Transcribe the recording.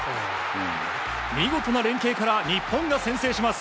見事な連携から日本が先制します。